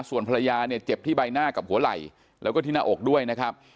ส่วนภรรยาเนี่ยเจ็บที่ใบหน้ากับหัวไหล่แล้วก็ที่หน้าอกด้วยนะครับ